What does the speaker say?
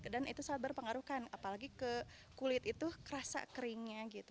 dan itu sangat berpengaruhkan apalagi kulit itu kerasa keringnya gitu